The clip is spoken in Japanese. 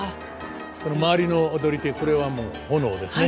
周りの踊り手これは炎ですね。